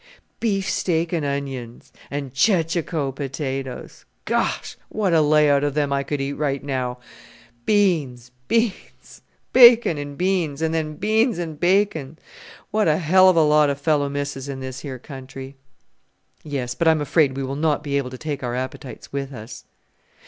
Beefsteak and onions! and chechacho potatoes! Gosh! what a lay out of them I could eat right now. Beans beans bacon and beans and then beans and bacon! What a hell of a lot a fellow misses in this here country!" "Yes, but I'm afraid we will not be able to take our appetites with us."